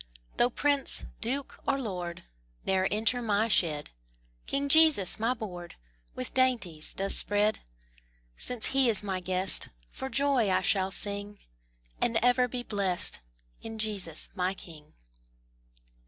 Though prince, duke, or lord, Ne'er enter my shed, King Jesus my board With dainties does spread. Since He is my guest, For joy I shall sing, And ever be blest In Jesus my King.